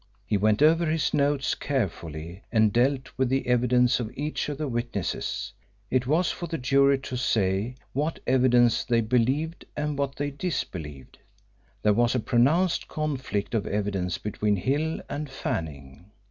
He went over his notes carefully and dealt with the evidence of each of the witnesses. It was for the jury to say what evidence they believed and what they disbelieved. There was a pronounced conflict of evidence between Hill and Fanning.